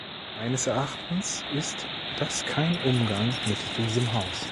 Meines Erachtens ist das kein Umgang mit diesem Haus.